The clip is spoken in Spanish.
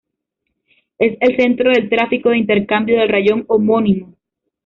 Es el centro del tráfico de intercambio del rayón homónimo.